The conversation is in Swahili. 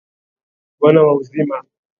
Bwana wa uzima.